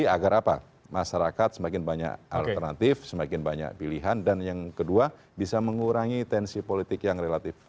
agar apa masyarakat semakin banyak alternatif semakin banyak pilihan dan yang kedua bisa mengurangi tensi politik yang relatif